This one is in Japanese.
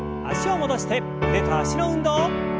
脚を戻して腕と脚の運動。